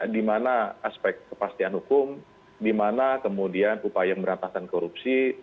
di mana aspek kepastian hukum di mana kemudian upaya meratasan korupsi